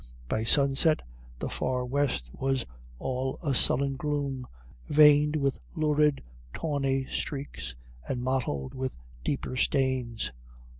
By sunset the far west was all a sullen gloom veined with lurid, tawny streaks, and mottled with deeper stains.